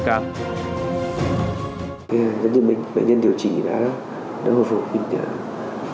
dân dân bệnh bệnh nhân điều trị đã hồi phục